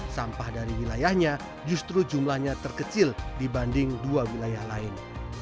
sampah dari wilayahnya justru jumlahnya terkecil dibanding dua wilayah lain